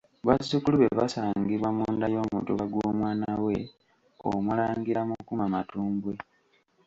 Bazzukulu be basangibwa mu nda y'Omutuba gw'omwana we Omulangira Mukuma Matumbwe.